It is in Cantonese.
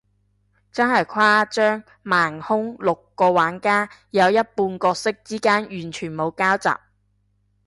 真係誇張，盲兇，六個玩家，有一半角色之間完全冇交集，